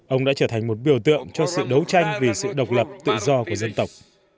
ông đã trở thành một biểu tượng cho sự đấu tranh vì sự độc lập tự do của dân tộc